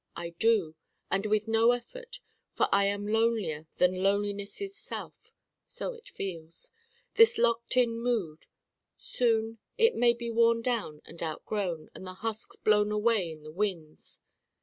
I do, and with no effort: for I am Lonelier than Loneliness's self. So it feels. This locked in mood soon it may be worn down and outgrown, and the husks blown away in the winds.